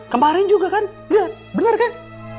kemarin juga kan liat bener kan